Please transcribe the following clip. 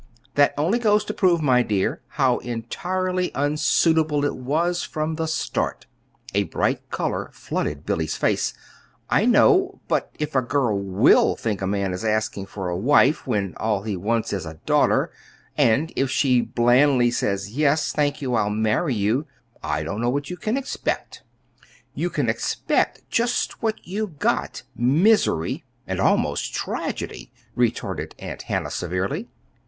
"That only goes to prove, my dear, how entirely unsuitable it was, from the start." A bright color flooded Billy's face. "I know; but if a girl will think a man is asking for a wife when all he wants is a daughter, and if she blandly says 'Yes, thank you, I'll marry you,' I don't know what you can expect!" "You can expect just what you got misery, and almost a tragedy," retorted Aunt Hannah, severely.